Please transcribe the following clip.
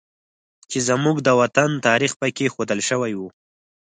چې زموږ د وطن تاریخ پکې ښودل شوی و